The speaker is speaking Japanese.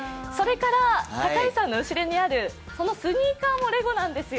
高橋さんの後ろにあるこのスニーカーもレゴなんですよ。